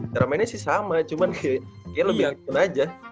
cara mainnya sih sama cuman kayaknya lebih akun aja